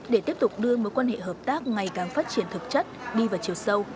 để tiếp tục đưa mối quan hệ hợp tác ngày càng phát triển thực chất đi vào chiều sâu